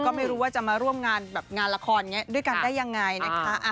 ก็ไม่รู้ว่าจะมาร่วมงานแบบงานละครด้วยกันได้ยังไงนะคะ